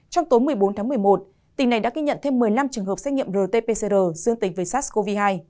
trong tối một mươi bốn tháng một mươi một tỉnh này đã ghi nhận thêm một mươi năm trường hợp xét nghiệm rt pcr dương tính với sars cov hai